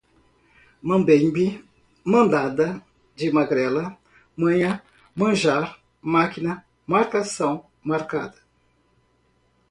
mambembe, mandada de magrela, manha, manjar, máquina, marcação, marcada